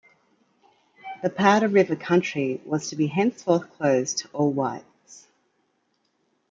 The Powder River Country was to be henceforth closed to all whites.